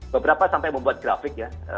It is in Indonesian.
beberapa sampai membuat grafik ya